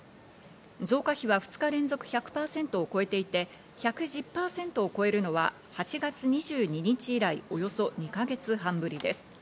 増加日は２日連続１００％を超えていて１１０％を超えるのは８月２２日以来、およそ２か月半ぶりです。